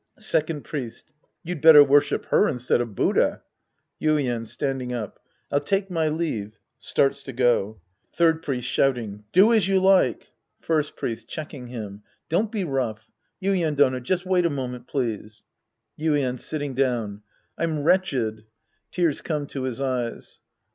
Second Priest. You'd better worship her instead of Buddha. Yuien (standing up). I'll take my leave. (Starts to go.) 186 The Priest and His Disciples Act V Third Priest {shouting). Do as you like. First Priest {checking hii^). Don't be rough,' Yuien Dono, just wait a moment, please. Yuien (sitting dowri). I'm wretched. {Tears come to his eyes.)